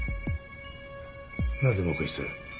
なぜ黙秘する？